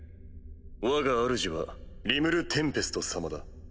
わがあるじはリムル＝テンペスト様だ。